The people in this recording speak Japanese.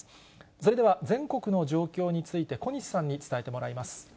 それでは全国の状況について、小西さんに伝えてもらいます。